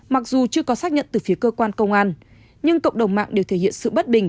mặc dù chưa có xác nhận từ phía cơ quan công an nhưng cộng đồng mạng đều thể hiện sự bất bình